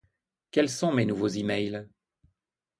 Quels sont mes nouveaux emails ?